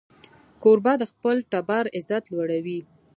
کوربه د خپل ټبر عزت لوړوي.